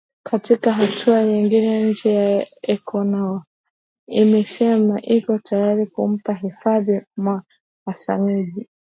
katika hatua nyingine nchi ya ecuador imesema iko tayari kumpa hifadhi bwana hassanji